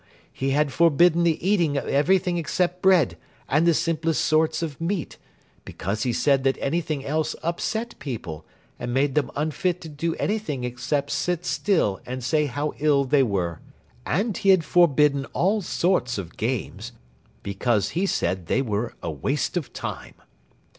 He had forbidden the eating of everything except bread and the simplest sorts of meat, because he said that anything else upset people, and made them unfit to do anything except sit still and say how ill they were. And he had forbidden all sorts of games, because he said they were a waste of time.